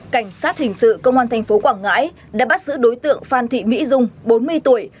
cảnh sát hình sự công an tp quảng ngãi đã bắt giữ đối tượng phan thị mỹ dung bốn mươi tuổi